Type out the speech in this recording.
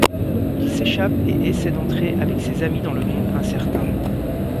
Il s'échappe et essaie d'entrer avec ses amis dans le monde Incertain.